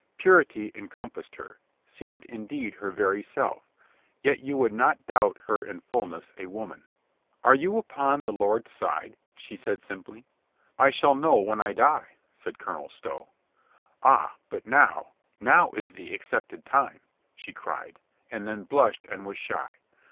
Purity encompassed her, seemed indeed her very self, yet you would not doubt her in fullness a woman. "Are you upon the Lord's side?" she said simply. "I shall know when I die," said Colonel Stow. "Ah, but now — now is the accepted time!" she cried, and then blushed and was shy.